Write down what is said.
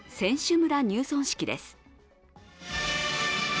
村入村式です。